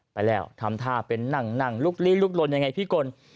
ไปแล้วทำท่าเป็นนั่งนั่งลุกลี้ลุกลนยังไงพี่กล